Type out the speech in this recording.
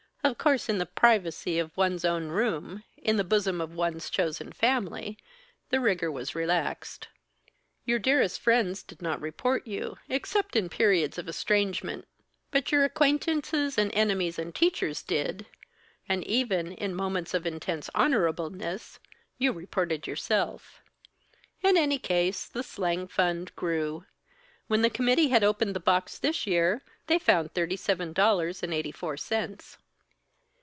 Of course, in the privacy of one's own room, in the bosom of one's chosen family, the rigor was relaxed. Your dearest friends did not report you except in periods of estrangement. But your acquaintances and enemies and teachers did, and even, in moments of intense honorableness, you reported yourself. In any case, the slang fund grew. When the committee had opened the box this year, they found thirty seven dollars and eighty four cents.